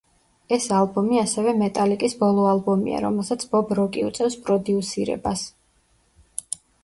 ეს ალბომი ასევე მეტალიკის ბოლო ალბომია, რომელსაც ბობ როკი უწევს პროდიუსირებას.